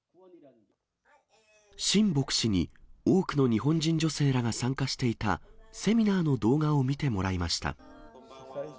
シン牧師に、多くの日本人女性らが参加していたセミナーの動画を見てもらいました。